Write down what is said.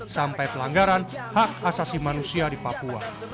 sampai pelanggaran hak asasi manusia di papua